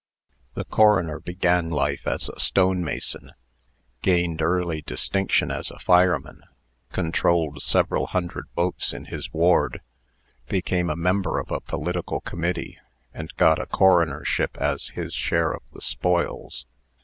The coroner began life as a stone mason, gained early distinction as a fireman, controlled several hundred votes in his ward, became a member of a political committee, and got a coronership as his share of the spoils.